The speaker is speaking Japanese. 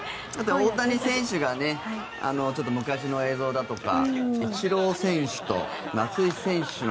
大谷選手の昔の映像だとかイチロー選手と松井選手の。